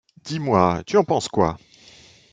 Dis-moi, tu en penses quoi ?